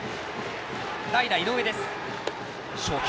代打、井上です。